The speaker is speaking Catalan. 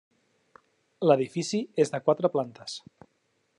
L'edifici és de quatre plantes.